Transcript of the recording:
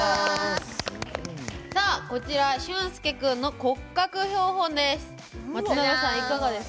こちらしゅんすけ君の骨格標本です。